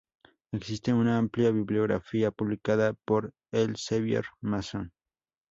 Existe una amplia bibliografía publicada por Elsevier-Masson.